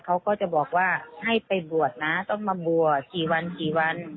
เขาก็จะบอกว่าให้ไปบวชนะต้องมาบวชกี่วันกี่วัน